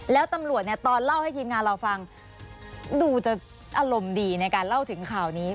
แล้วตำรวจเนี่ยตอนเล่าให้ทีมงานเราฟังดูจะอารมณ์ดีในการเล่าถึงข่าวนี้